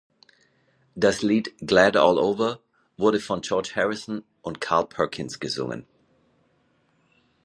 Das Lied "Glad All Over" wurde von George Harrison und Carl Perkins gesungen.